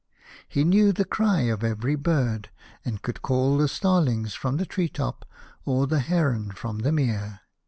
He knew the cry of every bird, and could call the starlings from the tree top, or the heron from the mere.